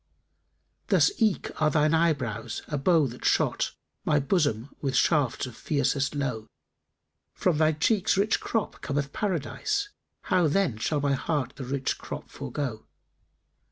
Thus eke are thine eyebrows a bow that shot * My bosom with shafts of fiercest lowe: From thy cheeks' rich crop cometh Paradise; * How, then, shall my heart the rich crop forego?